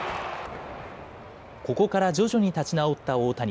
ここから徐々に立ち直った大谷。